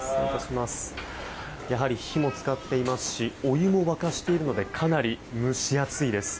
やはり火も使っていますしお湯も沸かしているのでかなり蒸し暑いです。